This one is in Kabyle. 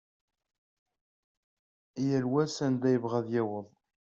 Yal wa s anda yebɣa ad yaweḍ.